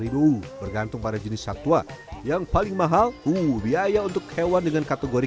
dua ratus lima puluh bergantung pada jenis satwa yang paling mahal uh biaya untuk hewan dengan kategori